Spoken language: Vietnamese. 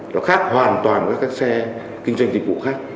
nó khác hoàn toàn với các xe kinh doanh dịch vụ khác